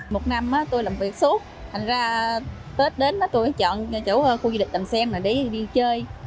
một năm tôi làm việc suốt thành ra tết đến tôi chọn chỗ khu du lịch đầm sen này để đi chơi